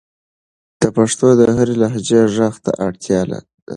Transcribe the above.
د پښتو د هرې لهجې ږغ ته اړتیا ده.